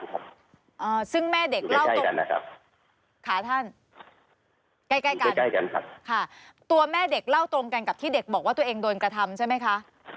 อยู่ใกล้กันนะครับค่ะท่านตัวแม่เด็กเล่าตรงกันกับที่เด็กบอกว่าตัวเองโดนกระทำใช่ไหมคะ